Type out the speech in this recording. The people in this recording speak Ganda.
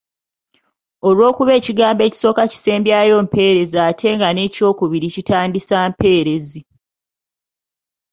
Olw’okuba ekigambo ekisooka kisembyayo mpeerezi ate nga n’ekyokubiri kitandisa mpeerezi.